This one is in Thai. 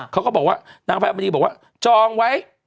เขาก็บอกว่านางไพรมณีบอกว่าจองไว้